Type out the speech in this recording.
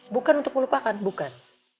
bukan untuk melupakan bukan